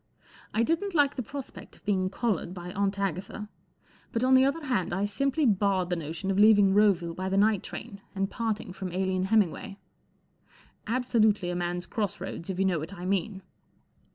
1 didn't like the prospect of being collared by Aunt Agatha* but on the other hand I simply barred the notion of leaving Roville by the night train and parting from Aline Hem mingway* Absolutely a man's cross roads, if you know what I mean.